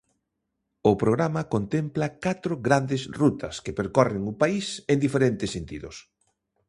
O programa contempla catro grandes rutas que percorren o país en diferentes sentidos.